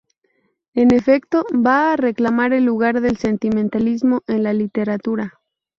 En efecto, va a reclamar el lugar del sentimentalismo en la literatura.